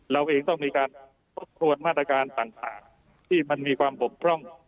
เราเองต้องมีการทบทวนมาตรการต่างที่มันมีความบกพร่อง